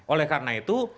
oleh karena itu